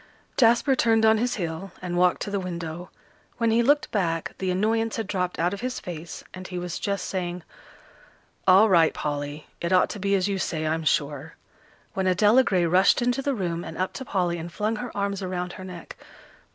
Jasper turned on his heel, and walked to the window. When he looked back, the annoyance had dropped out of his face, and he was just saying, "All right, Polly, it ought to be as you say, I'm sure," when Adela Gray rushed into the room and up to Polly, and flung her arms around her neck.